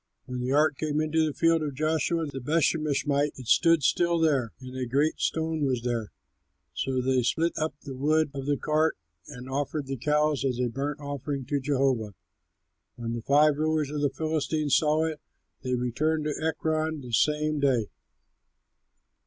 When the ark came into the field of Joshua, the Bethshemeshite, it stood still there. And a great stone was there; so they split up the wood of the cart and offered the cows as a burnt offering to Jehovah. When the five rulers of the Philistines saw it, they returned to Ekron the same day.